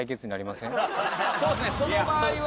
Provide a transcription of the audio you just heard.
そうっすねその場合は。